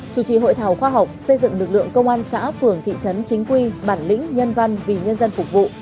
chủ trì hội thảo khoa học xây dựng lực lượng công an xã phường thị trấn chính quy bản lĩnh nhân văn vì nhân dân phục vụ